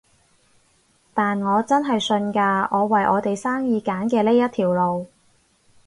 但我真係信㗎，我為我哋生意揀嘅呢一條路